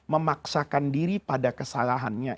memaksakan diri pada kesalahannya